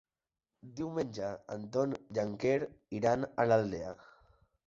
Diumenge en Ton i en Quer iran a l'Aldea.